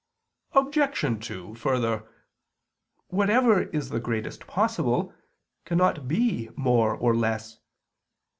Obj. 2: Further, whatever is the greatest possible, cannot be more or less.